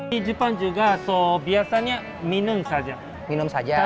di jepang juga biasanya minum saja